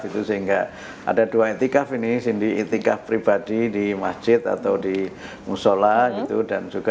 itu sehingga ada dua etikaf ini cindy itikaf pribadi di masjid atau di musola gitu dan juga